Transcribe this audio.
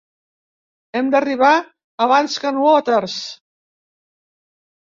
Hem d'arribar abans que en Waters.